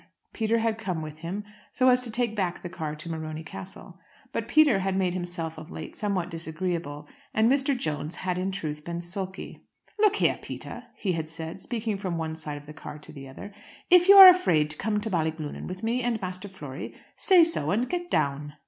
Peter had come with him, so as to take back the car to Morony Castle. But Peter had made himself of late somewhat disagreeable, and Mr. Jones had in truth been sulky. "Look here, Peter," he had said, speaking from one side of the car to the other, "if you are afraid to come to Ballyglunin with me and Master Flory, say so, and get down."